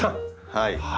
はい。